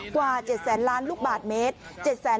กว่า๗แสนล้านลูกบาทเมตร